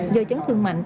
do chấn thương mạnh